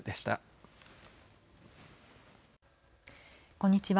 こんにちは。